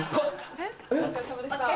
お疲れさまでした。